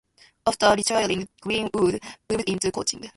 After retiring Greenwood moved into coaching.